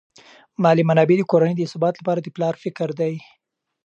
مالی منابع د کورنۍ د ثبات لپاره د پلار فکر دي.